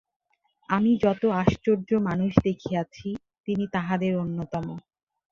আমি যত আশ্চর্য মানুষ দেখিয়াছি, তিনি তাঁহাদের অন্যতম।